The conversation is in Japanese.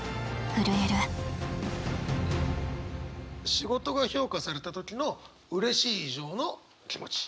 仕事が評価された時のうれしい以上の気持ち。